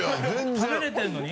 食べれてるのに？